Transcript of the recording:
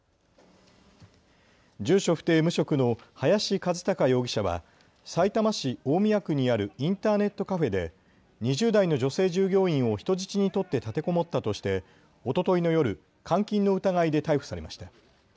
住所不定・無職の林一貴容疑者はさいたま市大宮区にあるインターネットカフェで２０代の女性従業員を人質に取って立てこもったとしておとといの夜、監禁の疑いで逮捕されました。